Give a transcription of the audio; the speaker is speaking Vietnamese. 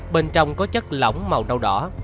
bên trong có chất lỏng màu đau đỏ